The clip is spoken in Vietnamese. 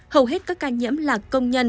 hầu hết các ca nhiễm là công nhân